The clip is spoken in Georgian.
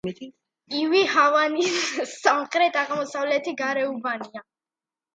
იგი ჰავანის სამხრეთ-აღმოსავლეთი გარეუბანია.